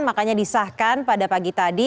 makanya disahkan pada pagi tadi